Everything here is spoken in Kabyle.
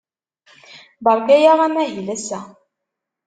Beṛka-aɣ amahil ass-a.